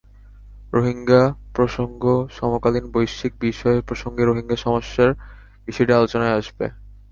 রোহিঙ্গা প্রসঙ্গ সমকালীন বৈশ্বিক বিষয় প্রসঙ্গে রোহিঙ্গা সমস্যার বিষয়টি আলোচনায় আসবে।